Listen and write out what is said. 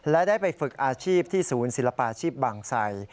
และได้ไปฝึกอาชีพที่ศูนย์ศิลปาชีพบางไส